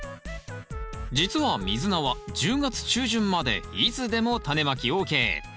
実はミズナは１０月中旬までいつでもタネまきＯＫ。